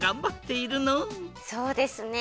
そうですね。